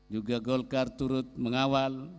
juga golkar turut mengawal